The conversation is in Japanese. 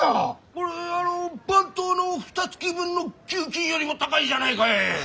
これあの番頭のふたつき分の給金よりも高いじゃないかえ！？